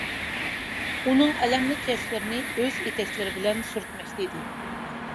ئۇنىڭ ئەلەملىك ياشلىرىنى ئۆز ئېتەكلىرى بىلەن سۈرتمەكتە ئىدى.